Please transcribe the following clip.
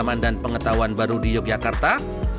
dapat pengalaman dan pengetahuan baru di yogyakarta